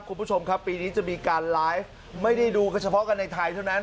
คุณผู้ชมครับปีนี้จะมีการไลฟ์ไม่ได้ดูกันเฉพาะกันในไทยเท่านั้น